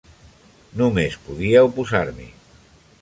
Només podia oposar-m'hi.